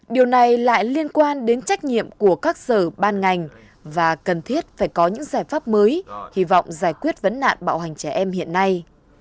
điều này lại liên quan đến trách nhiệm của các sở ban ngành và cần thiết phải có những giải pháp mới hy vọng giải quyết vấn nạn bạo hành trẻ em hiện nay